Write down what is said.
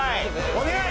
お願い！